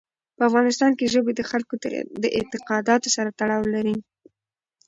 په افغانستان کې ژبې د خلکو د اعتقاداتو سره تړاو لري.